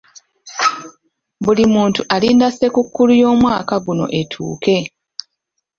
Buli muntu alinda ssekukkulu y'omwaka guno etuuke.